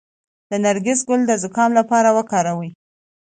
د نرګس ګل د زکام لپاره وکاروئ